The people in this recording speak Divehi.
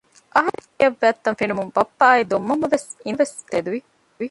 އަހަރެން ގެއަށް ވަތްތަން ފެނުމުން ބައްޕަ އާއި ދޮންމަންމަވެސް އިންތަނުން ތެދުވި